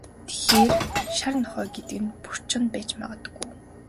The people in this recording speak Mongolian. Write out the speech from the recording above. Тэгэхээр, шар нохой гэдэг нь Бөртэ Чоно байж магадгүй.